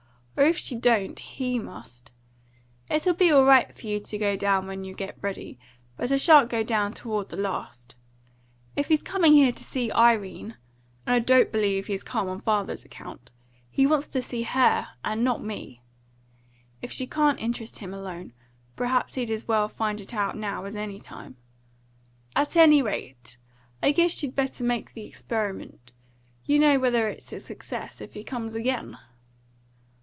Or if she don't, HE must. It'll be all right for you to go down when you get ready; but I shan't go till toward the last. If he's coming here to see Irene and I don't believe he's come on father's account he wants to see her and not me. If she can't interest him alone, perhaps he'd as well find it out now as any time. At any rate, I guess you'd better make the experiment. You'll know whether it's a success if he comes again."